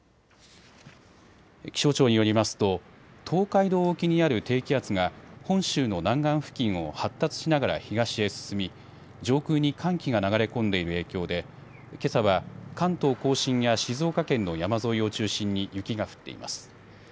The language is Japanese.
気象庁によりますと東海道沖にある低気圧が本州の南岸付近を発達しながら東へ進み上空に寒気が流れ込んでいる影響でけさは関東甲信や静岡県の山沿いを中心に雪が降っています。